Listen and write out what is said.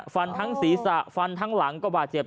ฟันทั้งศีรษะฟันทั้งหลังก็บาดเจ็บ